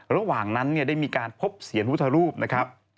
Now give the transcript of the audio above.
ระหว่างนั้นได้มีการพบเสียรพุทธรูปนะครับ